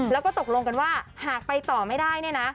แล้วก็ตกลงกันว่าหากไปต่อไม่ได้เนี่ยนะ